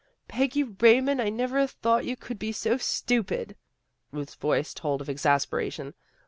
" Peggy Raymond, I never thought you could be so stupid." Ruth's voice told of exaspera tion.